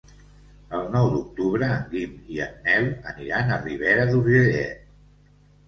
El nou d'octubre en Guim i en Nel aniran a Ribera d'Urgellet.